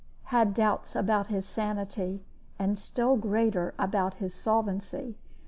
Had doubts about his sanity, and still greater about his solvency.